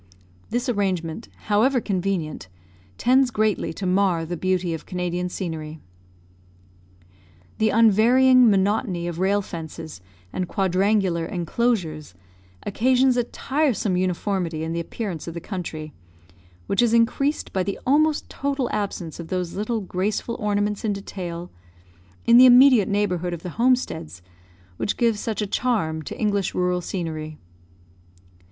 This arrangement, however convenient, tends greatly to mar the beauty of Canadian scenery. The unvarying monotony of rail fences and quadrangular enclosures, occasions a tiresome uniformity in the appearance of the country, which is increased by the almost total absence of those little graceful ornaments in detail, in the immediate neighbourhood of the homesteads, which give such a charm to English rural scenery.